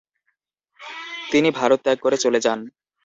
তিনি ভারত ত্যাগ করে চলে যান।